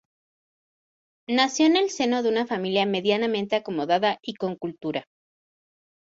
Nació en el seno de una familia medianamente acomodada y con cultura.